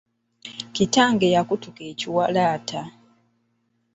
Kitange yakutuka ekiwalaata.